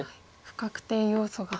不確定要素が。